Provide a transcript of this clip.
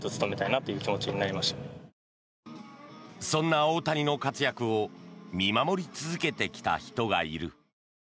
そんな大谷の活躍を見守り続けてきた人がいる。